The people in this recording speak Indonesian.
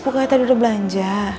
pokoknya tadi udah belanja